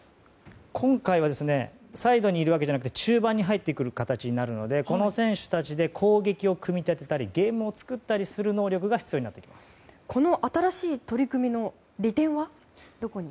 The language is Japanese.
今回はサイドにいるわけじゃなくて中盤に入ってくる形になるのでこの選手たちで攻撃を組み立てたりゲームを作ったりする能力がこの新しい取り組みの利点はどこに？